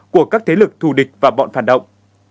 của các thế lực thù địch và bọn phản động